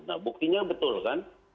nah buktinya betul kan